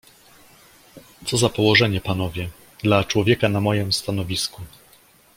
"Co za położenie, panowie, dla człowieka na mojem stanowisku!"